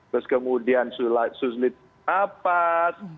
terus kemudian suslit hapas